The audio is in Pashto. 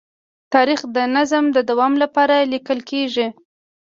تاریخ د نظم د دوام لپاره لیکل کېږي.